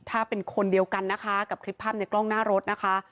ถ้าเป็นคนเดียวกันนะคะกับคลิปภาพในกล้องหน้ารถนะคะ